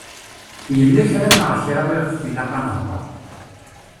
Yella kra neɣ kra iɣef ilaq ad nehder.